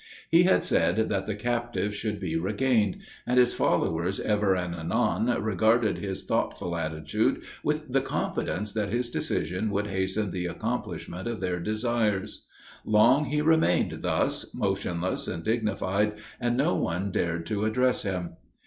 He had said that the captive should be regained, and his followers ever and anon regarded his thoughtful attitude with the confidence that his decision would hasten the accomplishment of their desires. Long he remained thus, motionless and dignified, and no one dared to address him.